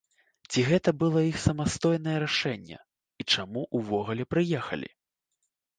Ці гэта было іх самастойнае рашэнне, і чаму ўвогуле прыехалі?